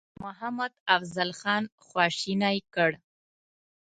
محمدافضل خان خواشینی کړ.